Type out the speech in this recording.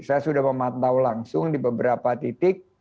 saya sudah memantau langsung di beberapa titik